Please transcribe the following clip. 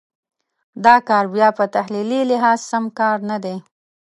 دا کار بیا په تحلیلي لحاظ سم کار نه دی.